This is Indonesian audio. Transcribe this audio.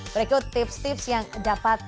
berikut tips tips yang dapat